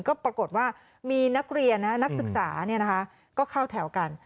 ก็ปรากฏว่ามีนักเรียนนะนักศึกษาเนี่ยนะคะก็เข้าแถวกัน